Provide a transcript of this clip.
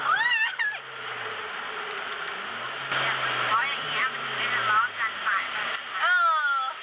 เพราะอย่างเงี้ยมันถึงได้ร้องกันหมายมาก